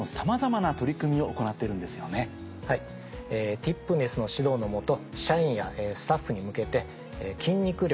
ティップネスの指導の下社員やスタッフに向けて筋肉量